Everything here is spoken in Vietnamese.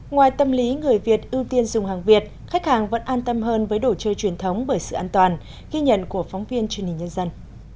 ngoài tâm lý người việt ưu tiên dùng hàng việt khách hàng vẫn an tâm hơn với đồ chơi truyền thống bởi sự an toàn ghi nhận của phóng viên truyền hình nhân dân